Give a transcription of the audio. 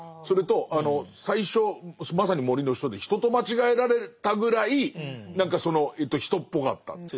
それと最初まさに「森の人」で人と間違えられたぐらい人っぽかった。